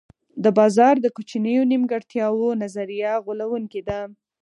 د بازار د کوچنیو نیمګړتیاوو نظریه غولوونکې ده.